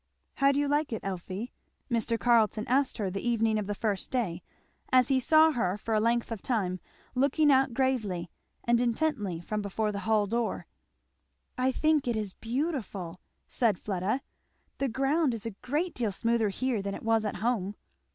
"How do you like it, Elfie?" Mr. Carleton asked her the evening of the first day, as he saw her for a length of time looking out gravely and intently from before the hall door. "I think it is beautiful!" said Fleda. "The ground is a great deal smoother here than it was at home."